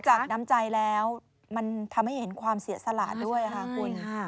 จากน้ำใจแล้วมันทำให้เห็นความเสียสละด้วยค่ะคุณ